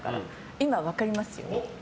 今は分かりますよ。